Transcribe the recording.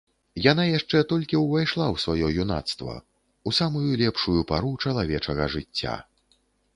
Яна яшчэ толькі ўвайшла ў сваё юнацтва, у самую лепшую пару чалавечага жыцця.